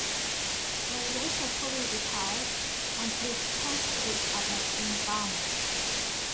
They later fully retired, and lived close to each other in Barnet.